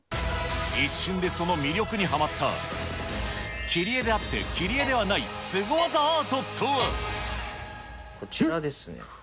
一瞬でその魅力にはまった、切り絵であって切り絵ではない、こちらですね。